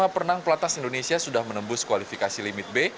lima perenang pelatnas indonesia sudah menembus kualifikasi limit b